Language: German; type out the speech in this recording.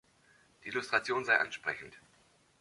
Die Illustration sei ansprechend.